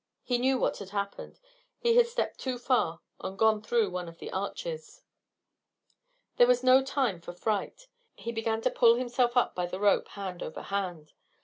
He knew what had happened. He had stepped too far and gone through one of the arches. There was no time for fright. He began to pull himself up by the rope, hand over hand.